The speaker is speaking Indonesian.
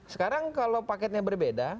sekarang kalau paketnya berbeda